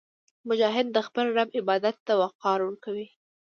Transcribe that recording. مجاهد د خپل رب عبادت ته وقار ورکوي.